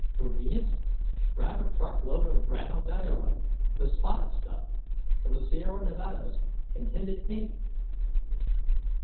For Venus, grab a truckload of granodiorite the spotted stuff from the Sierra Nevadas and tint it pink....